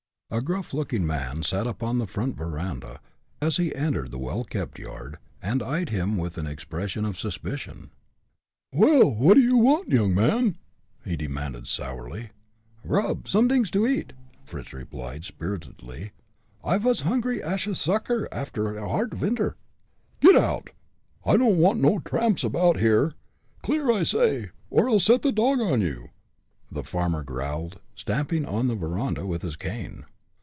A gruff looking man sat upon the front veranda, as he entered the well kept yard, and eyed him with an expression of suspicion. "Well, what d'ye want, young man?" he demanded, sourly. "Grub somedings to eat," Fritz replied, spiritedly. "I vas hungry like ash a sucker after a hard winter." "Get out! I don't want no tramps about here. Clear, I say, or I'll set the dog on you," the farmer growled, stamping on the veranda with his cane.